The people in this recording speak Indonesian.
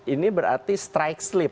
ini berarti strike slip